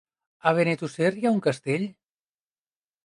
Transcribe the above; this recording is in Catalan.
A Benetússer hi ha un castell?